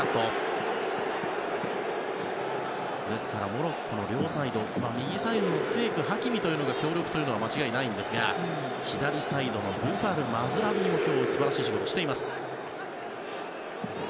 モロッコも両サイド右サイドのツィエク、ハキミが協力というのは間違いないんですが左サイドのブファルマズラウィも今日、素晴らしい仕事をしています。